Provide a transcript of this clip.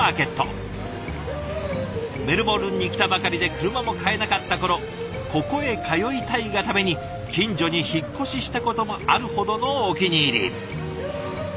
メルボルンに来たばかりで車も買えなかった頃ここへ通いたいがために近所に引っ越ししたこともあるほどのお気に入り。